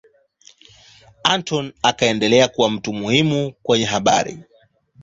Anthony akaendelea kuwa mtu muhimu kwenye habari.